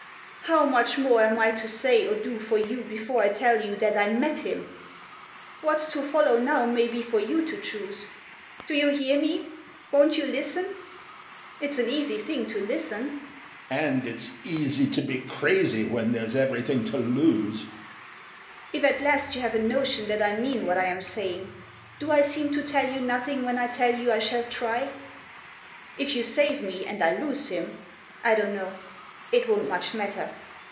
How much more am I to say or do for you before I tell you That I met him! What's to follow now may be for you to choose. Do you hear me? Won't you listen? It's an easy thing to listen. ..." "And it's easy to be crazy when there's everything to lose." "If at last you have a notion that I mean what I am saying, Do I seem to tell you nothing when I tell you I shall try? If you save me, and I lose him I don't know it won't much matter.